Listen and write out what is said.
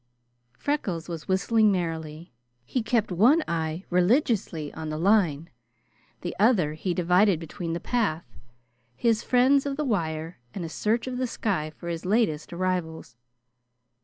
Freckles was whistling merrily. He kept one eye religiously on the line. The other he divided between the path, his friends of the wire, and a search of the sky for his latest arrivals.